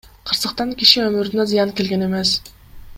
Кырсыктан киши өмүрүнө зыян келген эмес.